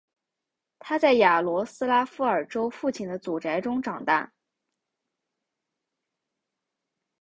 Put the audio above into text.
他在雅罗斯拉夫尔州父亲的祖宅中长大。